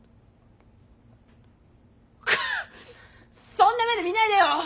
そんな目で見ないでよ！